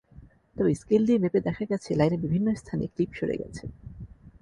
তবে স্কেল দিয়ে মেপে দেখা গেছে লাইনের বিভিন্ন স্থানে ক্লিপ সরে গেছে।